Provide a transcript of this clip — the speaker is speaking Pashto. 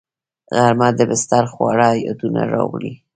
غرمه د بستر خواږه یادونه راوړي